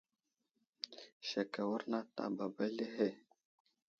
Sek awurnat a baba aslehe.